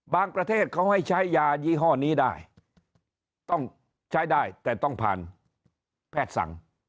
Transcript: ประเทศเขาให้ใช้ยายี่ห้อนี้ได้ต้องใช้ได้แต่ต้องผ่านแพทย์สั่ง